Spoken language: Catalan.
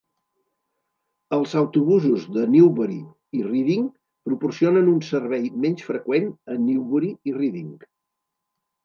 Els autobusos de Newbury i Reading proporcionen un servei menys freqüent a Newbury i Reading.